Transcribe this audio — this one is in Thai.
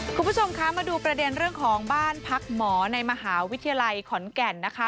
คุณผู้ชมคะมาดูประเด็นเรื่องของบ้านพักหมอในมหาวิทยาลัยขอนแก่นนะคะ